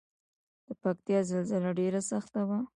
د پکتیکا زلزله ډیره سخته وه